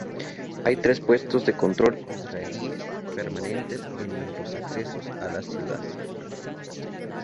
Hay tres puestos de control israelíes permanentes en los accesos a la ciudad.